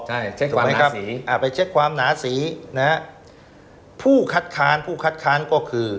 ใช่เช็คความใช้สีอ่าไปเช็คความหนาสีนะฮะผู้คัดค้านผู้คัดค้านก็คือ